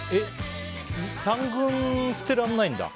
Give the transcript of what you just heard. ３軍捨てられないんだ。